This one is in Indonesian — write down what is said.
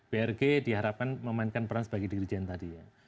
brg diharapkan memainkan peran sebagai dirijen tadi ya